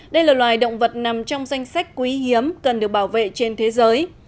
đây là loài động vật nằm trong danh sách quý hiếm cần được bảo vệ trên thế giới